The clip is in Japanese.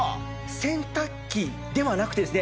洗濯機ではなくてですね